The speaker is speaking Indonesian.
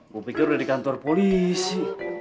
gue pikir udah di kantor polisi